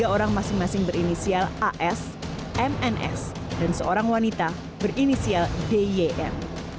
tiga orang masing masing berinisial as mns dan seorang wanita berinisial dym